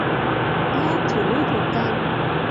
ลากถูลู่ถูกัง